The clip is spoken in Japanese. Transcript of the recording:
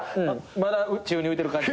まだ宙に浮いてる感じ。